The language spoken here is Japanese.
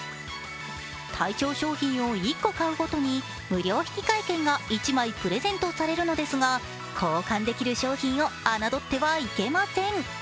対象商品を１個買うごとに無料引換券が１枚プレゼントされるのですが交換できる商品を侮ってはいけません。